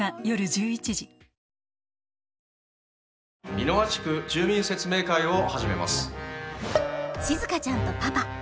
美ノ和地区住民説明会を始めます。